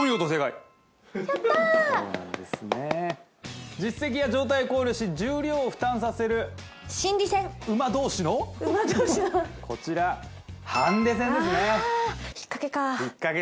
やったそうですね実績や状態を考慮し重量を負担させるこちらハンデ戦ですねああ